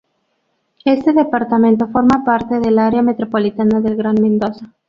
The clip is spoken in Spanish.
Este departamento forma parte del Área Metropolitana del Gran Mendoza.